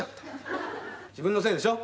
自分のせいでしょ。